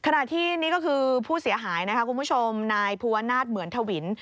ขณะที่นี่ก็คือผู้เสียหายนะคะคุณผู้ชมนายภูวนาศเหมือนทวิน